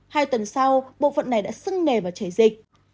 hai tuần sau bộ phận này đã sưng nề và chảy dịch